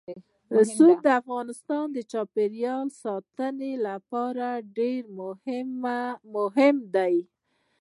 رسوب د افغانستان د چاپیریال ساتنې لپاره ډېر مهم دي.